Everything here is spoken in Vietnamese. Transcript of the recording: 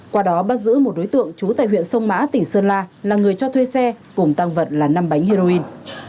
qua đó bắt giữ một đối tượng trú tại huyện sông mã tỉnh sơn la là người cho thuê xe cùng tăng vật là năm bánh heroin